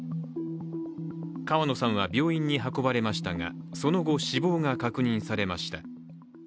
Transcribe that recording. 川野さんは病院に運ばれましたがその後、死亡が確認されました。